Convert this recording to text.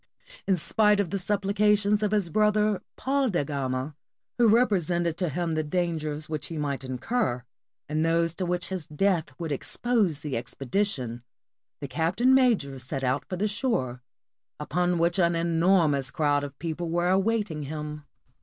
In spite of the suppHcations of his brother, Paul da Gama, who represented to him the dangers which he might incur, and those to which his death would expose the expedition, the captain major set out for the shore, upon which an enormous crowd of people were awaiting him.